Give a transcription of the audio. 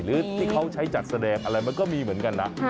หรือที่เขาใช้จัดแสดงอะไรมันก็มีเหมือนกันนะ